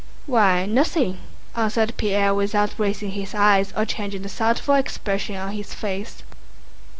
"Why, nothing," answered Pierre without raising his eyes or changing the thoughtful expression of his face.